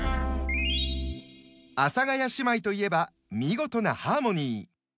阿佐ヶ谷姉妹といえば見事なハーモニー。